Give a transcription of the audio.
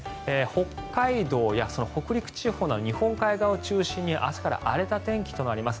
北海道や北陸地方の日本海側を中心に明日から荒れた天気となります。